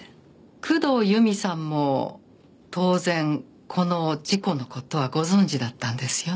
工藤由美さんも当然この事故の事はご存じだったんですよね？